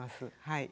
はい。